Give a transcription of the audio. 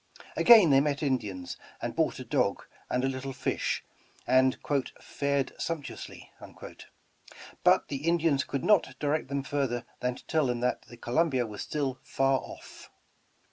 Again they met Indians and bought a dog and a little fish, and fared sumptuously," but the Indians could not direct them further than to tell them that the Columbia was still far off.